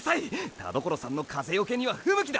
田所さんの風よけには不向きだ。